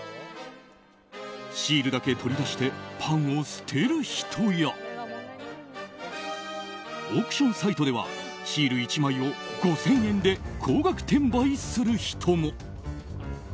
シールだけ取り出してパンを捨てる人やオークションサイトではシール１枚を５０００円で高額転売する人も。